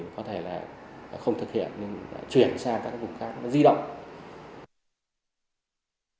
có thể là không thực hiện chuyển sang các vùng khác di động